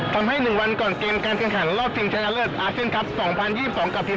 กับทีมชาติไทยมีแฟนบอลบางส่วนน้ำตั๋วมาวางขายใหม่